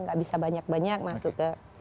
gak bisa banyak banyak masuk ke